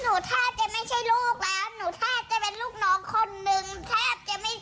หนูแทบจะเป็นลูกน้องคนหนึ่ง